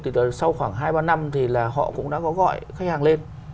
thì sau khoảng hai ba năm thì là họ cũng đã có gọi khách hàng lên